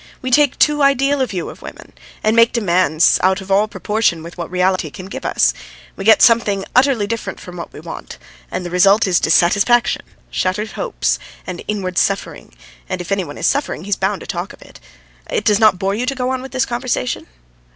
We take too ideal a view of women, and make demands out of all proportion with what reality can give us; we get something utterly different from what we want, and the result is dissatisfaction, shattered hopes, and inward suffering, and if any one is suffering, he's bound to talk of it. It does not bore you to go on with this conversation?